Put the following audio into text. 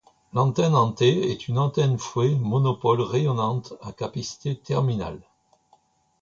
L’antenne en T est une antenne fouet monopôle rayonnante à capacité terminale.